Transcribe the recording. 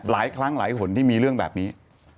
หลายครั้งหลายหนที่มีเรื่องแบบนี้